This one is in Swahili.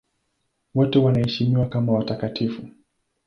Wote wanaheshimiwa kama watakatifu.